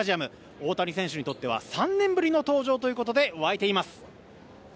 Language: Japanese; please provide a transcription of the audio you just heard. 大谷選手にとっては３年ぶりの登場ということで沸いています。